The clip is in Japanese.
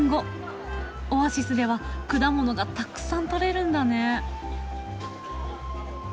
オアシスでは果物がたくさん取れるんだね。